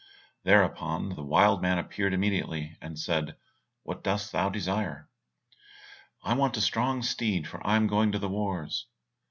Thereupon the wild man appeared immediately, and said, "What dost thou desire?" "I want a strong steed, for I am going to the wars."